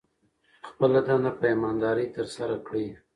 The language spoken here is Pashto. خپله دنده په ایمانداري ترسره کړئ.